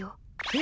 え！